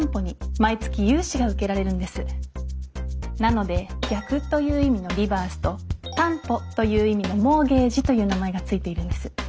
なので「逆」という意味の「リバース」と「担保」という意味の「モーゲージ」という名前が付いているんです。